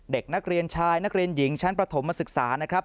เด็กนักเรียนชายนักเรียนหญิงชั้นประถมศึกษานะครับ